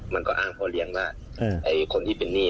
มันก็อ้างพ่อเลี้ยงว่าไอ้คนที่เป็นหนี้